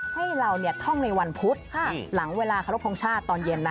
ให้เราท่องในวันพุธหลังเวลาเคารพทงชาติตอนเย็นนะ